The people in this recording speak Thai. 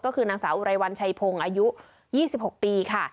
ก็คือนางสาวอุรัยวัลชัยพงษ์อายุยี่สิบหกปีค่ะ